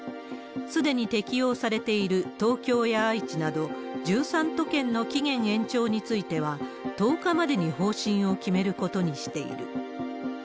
すでに適用されている東京や愛知など１３都県の期限延長については、１０日までに方針を決めることにしている。